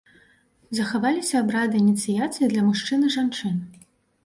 Захаваліся абрады ініцыяцыі для мужчын і жанчын.